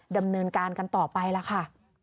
ดำเนินการกันต่อไปล่ะค่ะ